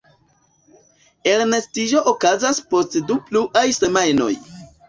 Elnestiĝo okazas post du pluaj semajnoj.